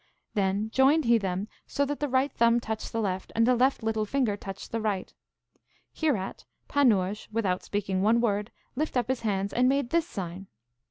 Then joined he them so that the right thumb touched the left, and the left little finger touched the right. Hereat Panurge, without speaking one word, lift up his hands and made this sign.